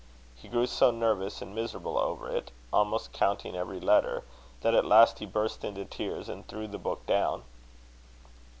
He grew so nervous and miserable over it, almost counting every letter, that at last he burst into tears, and threw the book down.